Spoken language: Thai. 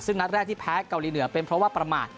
ซึ่งนัดแรกที่แพ้เกาหลีเหนือเป็นเพราะว่าประมาท